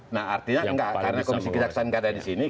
nah artinya enggak karena komisi kejaksaan gak ada di sini